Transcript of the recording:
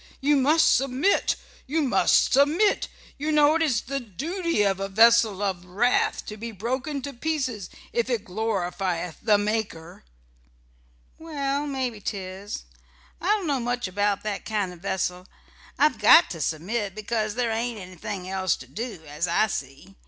You must submit; you must submit. You know it is the duty of a vessel of wrath to be broken to pieces if it glorifieth the Maker." "Well, mebbe 'tis. I don't know much about that kind o' vessel. I've got to submit because there ain't anything else to do, as I see.